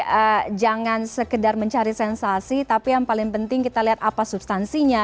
jadi jangan sekedar mencari sensasi tapi yang paling penting kita lihat apa substansinya